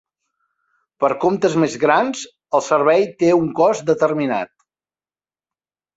Per comptes més grans, el servei té un cost determinat.